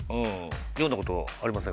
読んだことありません？